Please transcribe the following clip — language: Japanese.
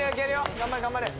頑張れ頑張れ。